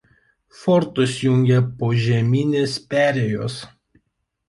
Fortus jungia požeminės perėjos.